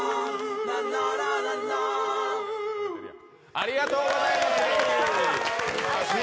ありがとうございます。